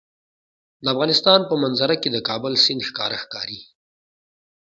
د افغانستان په منظره کې د کابل سیند ښکاره ښکاري.